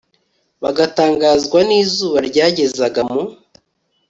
bagatangazwa n izuba ryagezaga mu